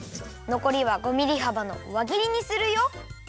のこりは５ミリはばのわぎりにするよ。